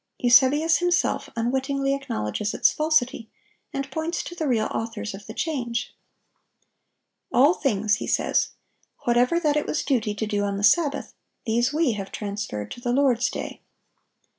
Eusebius himself unwittingly acknowledges its falsity, and points to the real authors of the change. "All things," he says, "whatever that it was duty to do on the Sabbath, these we have transferred to the Lord's day."